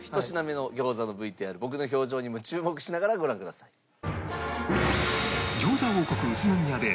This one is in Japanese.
１品目の餃子のＶＴＲ僕の表情にも注目しながらご覧ください。